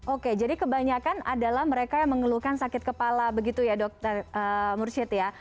oke jadi kebanyakan adalah mereka yang mengeluhkan sakit kepala begitu ya dokter mursyid ya